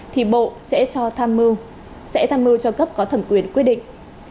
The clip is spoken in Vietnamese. thì bộ sẽ tham mưu cho cấp có thẩm quyền quyết định